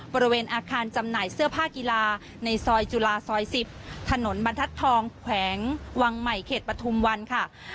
บริเวณอาคารจำหน่ายเสื้อผ้ากีฬาในซอยจุฬาซอย๑๐ถนนบรรทัศน์ทองแขวงวังใหม่เขตปฐุมวันค่ะ